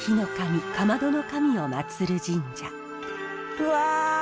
うわ。